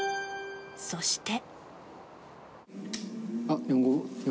そして。